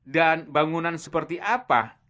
dan bangunan seperti apa